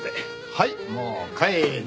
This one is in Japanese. はいもう帰れ。